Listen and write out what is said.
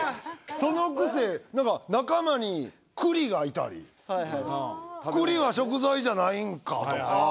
そのくせ仲間に栗がいたり栗は食材じゃないんかとかあ